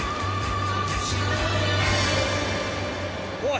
おい！